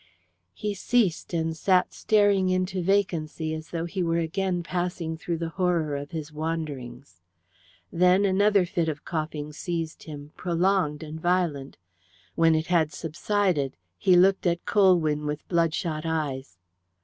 He ceased, and sat staring into vacancy as though he were again passing through the horror of his wanderings. Then another fit of coughing seized him, prolonged and violent. When it had subsided he looked at Colwyn with bloodshot eyes.